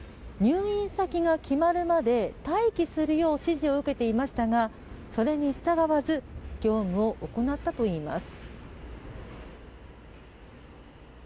入院先が決まるまで待機するよう指示を受けていましたがそれに従わず業務を行ったといいます。